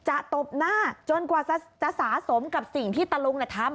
ตบหน้าจนกว่าจะสะสมกับสิ่งที่ตะลุงทำ